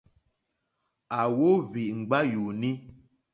À wóhwì ŋɡbá yùùní.